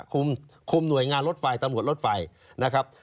คุมหน่วยงานรถไฟตำรวจรถไฟนะครับ